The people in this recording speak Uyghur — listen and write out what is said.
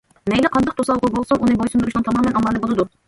مەيلى قانداق توسالغۇ بولسۇن ئۇنى بويسۇندۇرۇشنىڭ تامامەن ئامالى بولىدۇ.